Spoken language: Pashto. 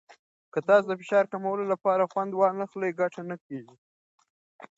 که تاسو د فشار کمولو لپاره خوند ونه واخلئ، ګټه نه کېږي.